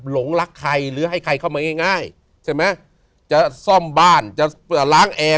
หลงรักใครหรือให้ใครเข้ามาง่ายง่ายใช่ไหมจะซ่อมบ้านจะล้างแอร์